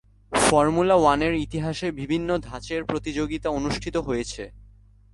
Formula ওয়ানের ইতিহাসে বিভিন্ন ধাঁচের প্রতিযোগিতা অনুষ্ঠিত হয়েছে।